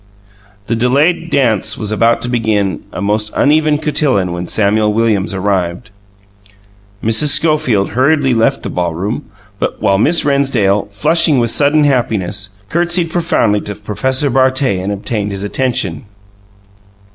The delayed dance was about to begin a most uneven cotillon when Samuel Williams arrived. Mrs. Schofield hurriedly left the ballroom; while Miss Rennsdale, flushing with sudden happiness, curtsied profoundly to Professor Bartet and obtained his attention.